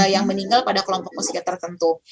yang meninggal pada kelompok usia tertentu